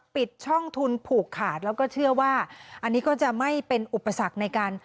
ปิดช่องทุนผูกขาดแล้วก็เชื่อว่าอันนี้ก็จะไม่เป็นอุปสรรคในการ